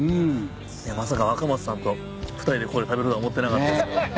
いやまさか若松さんと２人でこれ食べるとは思ってなかった。